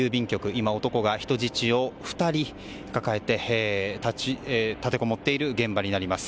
今、男が人質を２人抱えて立てこもっている現場になります。